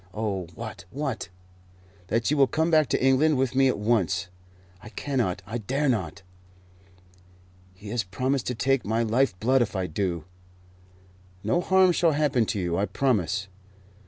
"Oh, what what?" "That you will come back to England with me at once." "I cannot; I dare not. He has promised to take my life blood if I do." "No harm shall happen to you, I promise."